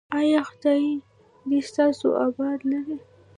ایا خدای دې تاسو اباد لري؟